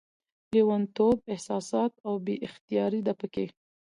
لېونتوب، احساسات او بې اختياري ده پکې